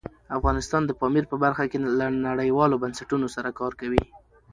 افغانستان د پامیر په برخه کې له نړیوالو بنسټونو سره کار کوي.